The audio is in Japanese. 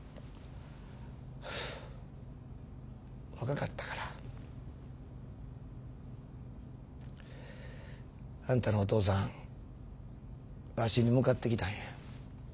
若かったから。あんたのお父さんわしに向かって来たんや。